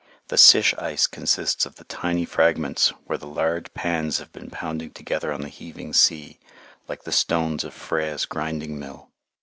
The sish ice consists of the tiny fragments where the large pans have been pounding together on the heaving sea, like the stones of Freya's grinding mill.